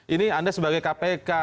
ini anda sebagai kpk